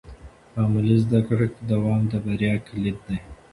په عملي زده کړه کې دوام د بریا کلید دی.